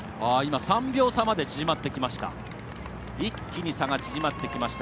３秒差まで縮まってきました。